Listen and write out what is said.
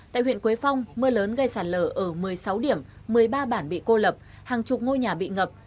tại huyện quế phong mưa lớn gây sạt lở ở một mươi sáu điểm một mươi ba bản bị cô lập hàng chục ngôi nhà bị ngập